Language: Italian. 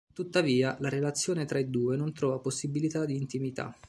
Tuttavia, la relazione tra i due non trova possibilità di intimità.